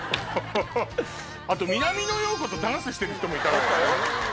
あと南野陽子とダンスしてる人もいたわよね。